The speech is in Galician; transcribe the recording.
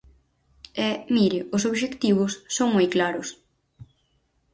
E, mire, os obxectivos son moi claros.